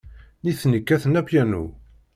Nitni kkaten apyanu.